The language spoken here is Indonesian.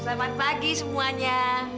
selamat pagi semuanya